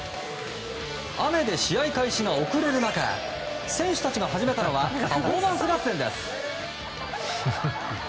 雨で試合開始が遅れる中選手たちが始めたのはパフォーマンス合戦です。